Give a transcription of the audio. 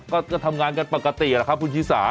ก็ทำงานกันปกติเหรอครับคุณศีรษะ